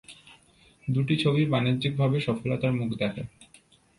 দু'টো ছবিই বাণিজ্যিকভাবে সফলতার মুখ দেখে।